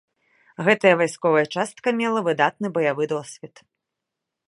Гэтая вайсковая частка мела выдатны баявы досвед.